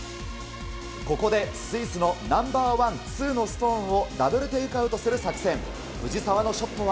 ここでスイスのナンバーワン、ツーのストーンをダブルテイクアウトする作戦。